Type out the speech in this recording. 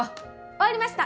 終わりました！